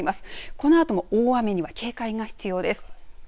このあとも大雨には警戒が必要です。